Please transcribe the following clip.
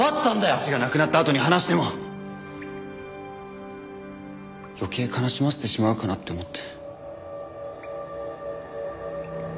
早智が亡くなったあとに話しても余計悲しませてしまうかなって思って。